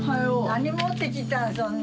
何持ってきたん？